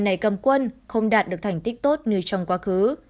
này cầm quân không đạt được thành tích tốt như trong quá khứ